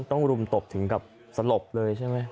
รุมตบถึงกับสลบเลยใช่ไหม